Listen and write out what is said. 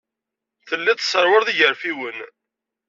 Tellid tesserwaled igerfiwen.